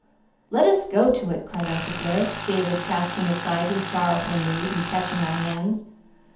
"Let us go to it," cried Uncle Blair, gaily, casting aside his sorrowful mood and catching our hands.